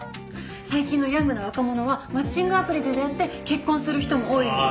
最近のヤングな若者はマッチングアプリで出会って結婚する人も多いんです。